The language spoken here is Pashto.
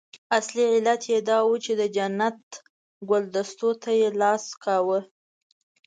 اصلي علت یې دا وو چې د جنت ګلدستو ته یې لاس کاوه.